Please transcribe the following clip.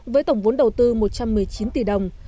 với tổng vốn đầu tư một trăm một mươi chín tỷ đồng